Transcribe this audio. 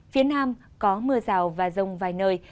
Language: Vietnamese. phía nam có mưa rào và rông vài nơi